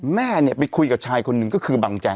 แม่เนี่ยไปคุยกับชายคนหนึ่งก็คือบังแจง